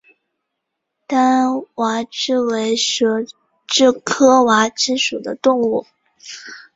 单蛙蛭为舌蛭科蛙蛭属的动物。